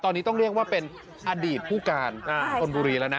ตอนนี้ต้องเรียกว่าเป็นอดีตผู้การชนบุรีแล้วนะ